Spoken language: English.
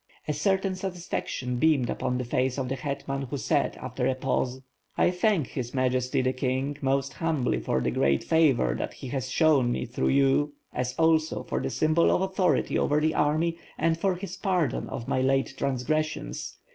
A certain satisfaction beamed upon the face of the hetman who said, after a pause: "I thank His Majesty, the King, most 'humbly for the great favor that he has shown me through you, as also for the symbol of authority over the army, and for his pardon of my late transgressions.